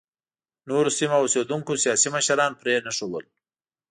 نورو سیمو اوسېدونکو سیاسي مشران پرېنښودل.